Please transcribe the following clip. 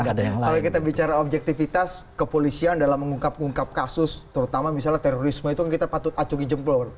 kalau kita bicara objektivitas kepolisian dalam mengungkap ngungkap kasus terutama misalnya terorisme itu kan kita patut acungi jempol